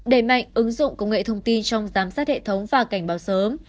đẩy mạnh ứng dụng công nghệ thông tin trong giám sát hệ thống và cảnh báo sớm